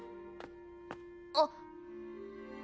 あっ。